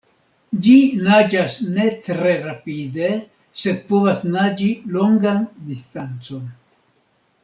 Ĝi naĝas ne tre rapide, sed povas naĝi longan distancon.